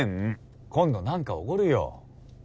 今度何かおごるよ。